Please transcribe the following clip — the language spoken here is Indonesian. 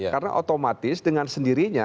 karena otomatis dengan sendirinya